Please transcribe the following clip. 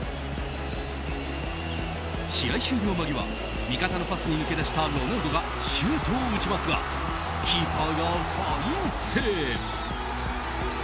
試合終了間際、味方のパスに抜け出したロナウドがシュートを打ちますがキーパーがファインセーブ。